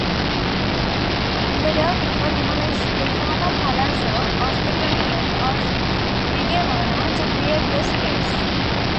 Ludovico demolished the former palazzo of the commune of Vigevano to create the space.